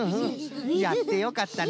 やってよかったな。